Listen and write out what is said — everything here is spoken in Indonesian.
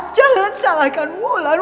jangan salahkan wulan